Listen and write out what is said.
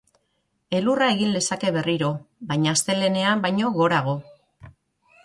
Elurra egin lezake berriro, baina astelehenean baino gorago.